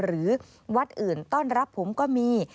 หรือวัดอื่นต้อนรับผมก็มี